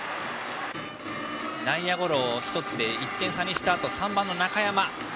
内野ゴロ１つで１点差にしたあと３番の中山。